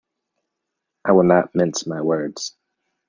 I will not mince my words.